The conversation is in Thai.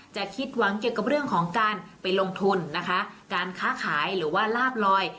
คิดหวังเกี่ยวกับเรื่องของการไปลงทุนนะคะการค้าขายหรือว่าลาบลอย